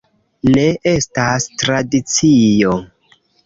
Ne, estas tradicio...